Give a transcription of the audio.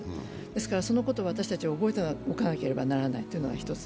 ですから、そのことを私たちは覚えておかなければならないというのが一つ。